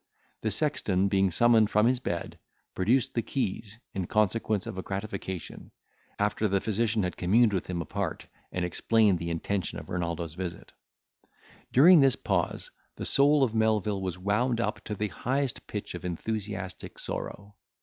The sexton being summoned from his bed, produced the keys, in consequence of a gratification, after the physician had communed with him apart, and explained the intention of Renaldo's visit. During this pause the soul of Melvil was wound up to the highest pitch of enthusiastic sorrow.